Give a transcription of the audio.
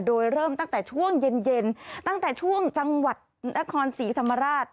โดยเริ่มตั้งแต่ช่วงเย็นตั้งแต่ช่วงจังหวัดนครศรีธรรมราช